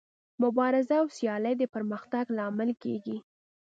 مبارزه او سیالي د پرمختګ لامل کیږي.